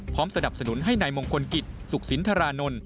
สนับสนุนให้นายมงคลกิจสุขสินทรานนท์